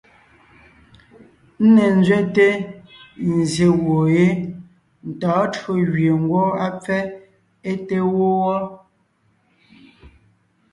Ńne ńzẅɛte, nzsyè gwoon yé, ntɔ̌ɔn tÿǒ gẅie ngwɔ́ á pfɛ́ é te wó wɔ́,